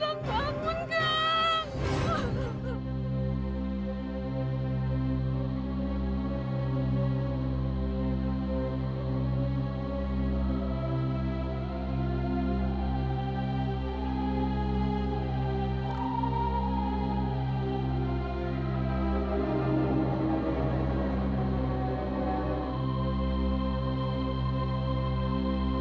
enggak enggak takutkan takutkan